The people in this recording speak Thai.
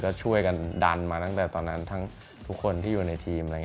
ก็ช่วยกันดันมาตั้งแต่ตอนนั้นทั้งทุกคนที่อยู่ในทีม